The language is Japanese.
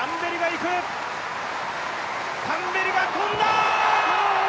タンベリが跳んだ！